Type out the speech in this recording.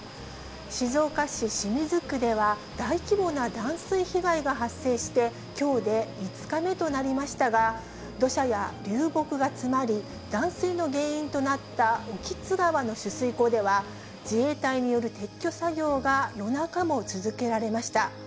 静岡市清水区では、大規模な断水被害が発生して、きょうで５日目となりましたが、土砂や流木が詰まり、断水の原因となった興津川の取水口では、自衛隊による撤去作業が夜中も続けられました。